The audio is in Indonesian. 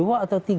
dua atau tiga